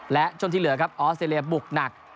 และช่วงที่เหลือครับออสเตรเลียบุกหนัก